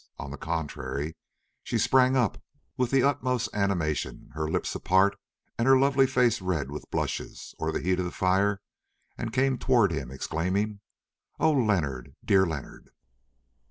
On the contrary, she sprang up with the utmost animation, her lips apart and her lovely face red with blushes, or the heat of the fire, and came towards him exclaiming, "Oh, Leonard, dear Leonard!"